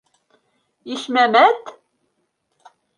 Ишмәмәт?!